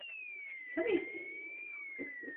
Obří a nádherné.